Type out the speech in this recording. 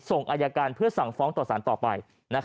ส่งอายการเพื่อสั่งฟ้องต่อสารต่อไป